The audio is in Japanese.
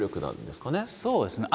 そうですね。